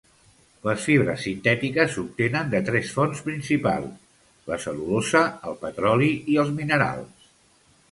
Les fibres sintètiques s'obtenen de tres fonts principals: la cel·lulosa, el petroli i els minerals.